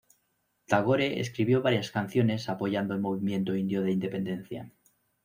Tagore escribió varias canciones apoyando el movimiento indio de independencia.